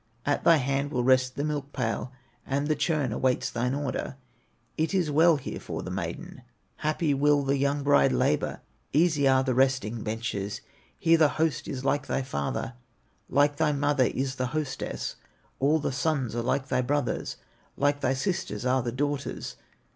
At thy hand will rest the milk pail, And the churn awaits thine order; It is well here for the maiden, Happy will the young bride labor, Easy are the resting benches; Here the host is like thy father, Like thy mother is the hostess, All the sons are like thy brothers, Like thy sisters are the daughters.